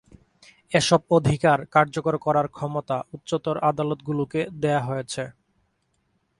এসব অধিকার কার্যকর করার ক্ষমতা উচ্চতর আদালতগুলোকে দেয়া হয়েছে।